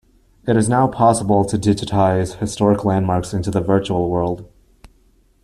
It is now possible to digitize historic landmarks into the virtual world.